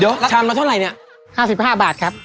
เดี๋ยวชามมาเท่าไรเนี่ย๕๕บาทครับ